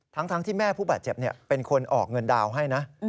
ทั้งที่แม่ผู้บาดเจ็บเป็นคนออกเงินดาวน์ให้นะ